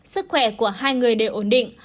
sức khỏe của hai người đều ổn định